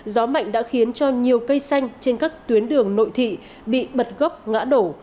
gió mạnh đã khiến cho nhiều cây xanh trên các tuyến đường nội thị bị bật gốc ngã đổ